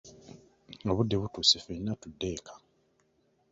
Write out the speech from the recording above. Obudde butuuse ffenna tudde eka.